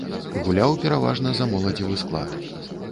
Гуляў пераважна за моладзевы склад.